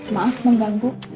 maaf mau ganggu